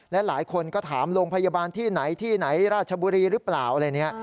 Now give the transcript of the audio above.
และหลายคนก็ถามโรงพยาบาลที่ไหนที่ไหนราชบุรีหรือเปล่าอะไรเนี่ย